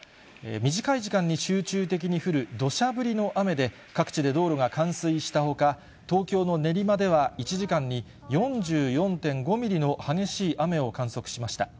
短い時間に集中的に降る土砂降りの雨で、各地で道路が冠水したほか、東京の練馬では１時間に４４．５ミリの激しい雨を観測しました。